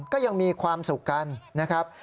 ก็ยังมีความสุขกันนะครับ